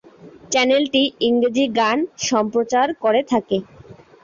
চ্যানেলটি ইংরেজি গান সম্প্রচার করে থাকে।